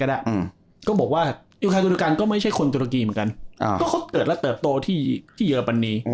อืมก็บอกว่าก็ไม่ใช่คนตุรกีเหมือนกันอ้าวก็เขาเกิดและเติบโตที่ที่เยอะปันนี้